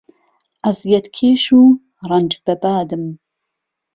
ئەزیەت کێش و رەنج بە بادم